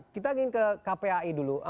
kita ingin ke kpai dulu